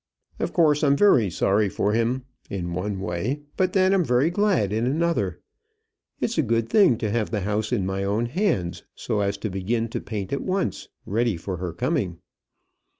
Of course I'm very sorry for him, in one way; but then I'm very glad in another. It is a good thing to have the house in my own hands, so as to begin to paint at once, ready for her coming.